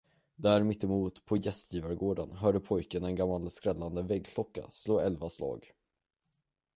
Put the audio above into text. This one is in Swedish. Där mittemot på gästgivargården hörde pojken en gammal skrällande väggklocka slå elva slag.